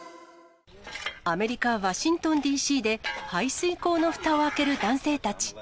アメリカ・ワシントンＤＣで、排水溝のふたを開ける男性たち。